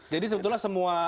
jadi sebetulnya semua